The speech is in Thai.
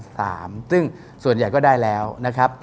ซึ่งส่วนใหญ่ก็ได้แล้วนะครับ